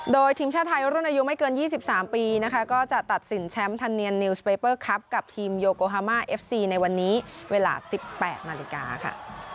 โดยทีมชาติไทยรุ่นอายุไม่เกิน๒๓ปีนะคะก็จะตัดสินแชมป์ทันเนียนนิวสเปเปอร์ครับกับทีมโยโกฮามาเอฟซีในวันนี้เวลา๑๘นาฬิกาค่ะ